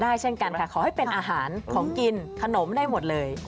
เช่นกันค่ะขอให้เป็นอาหารของกินขนมได้หมดเลย